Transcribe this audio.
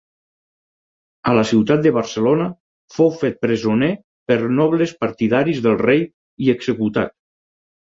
A la ciutat de Barcelona fou fet presoner per nobles partidaris del rei i executat.